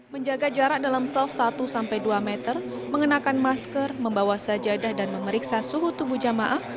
menjaga jarak dalam self satu dua meter mengenakan masker membawa sajadah dan memeriksa suhu tubuh jamaah